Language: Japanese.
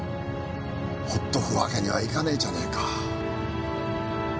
ほっとくわけにはいかねえじゃねえか。